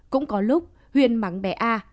cũng có lúc huyền mắng bé a